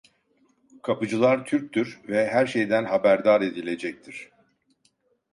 Kapıcılar Türktür ve her şeyden haberdar edilecektir…